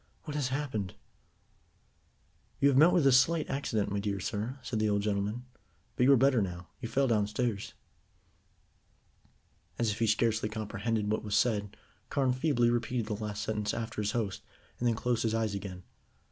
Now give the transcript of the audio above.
"What has happened?" "You have met with a slight accident, my dear sir," said the old gentleman, "but you are better now. You fell downstairs." As if he scarcely comprehended what was said, Carne feebly repeated the last sentence after his host, and then closed his eyes again.